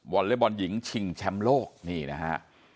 อเล็กบอลหญิงชิงแชมป์โลกนี่นะฮะ